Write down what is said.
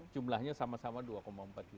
jumlahnya sama sama dua empat juta